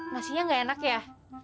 masihnya nggak enak ya